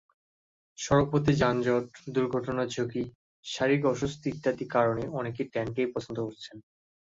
সড়কপথে যানজট, দুর্ঘটনার ঝুঁকি, শারীরিক অস্বস্তি ইত্যাদি কারণে অনেকে ট্রেনকেই পছন্দ করছেন।